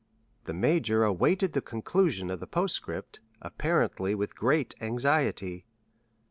'" The major awaited the conclusion of the postscript, apparently with great anxiety.